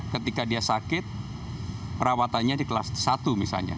ketika dia sakit perawatannya di kelas satu misalnya